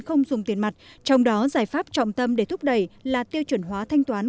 không dùng tiền mặt trong đó giải pháp trọng tâm để thúc đẩy là tiêu chuẩn hóa thanh toán